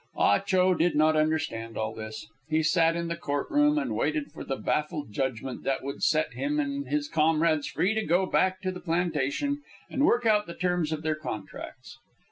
Ah Cho did not understand all this. He sat in the court room and waited for the baffled judgment that would set him and his comrades free to go back to the plantation and work out the terms of their contracts.